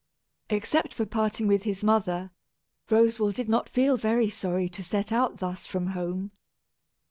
Except for parting with his mother, Roswal did not feel very sorry to set out thus from home.